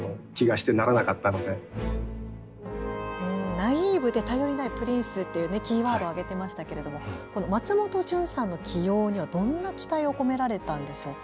ナイーブで頼りないプリンスっていうキーワード挙げてましたけど松本潤さんの起用には、どんな期待を込められたんでしょうか？